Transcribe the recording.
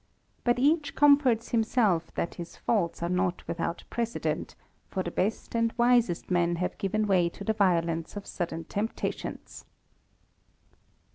But each comforts himself that his faults are not without precedent, for the best and wisest men have given way to the violence of sudden temptations.